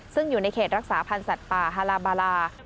ซึ่งอยู่ในเขตรักษาพันธ์สัตว์ป่าฮาลาบาลา